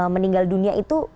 meninggal dunia itu